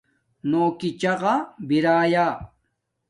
نݸ کݵ چَغݳ بِرݳیݳ.